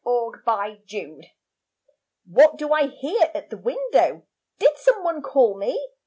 THE ARRIVAL 'What do I hear at the window? Did some one call me?'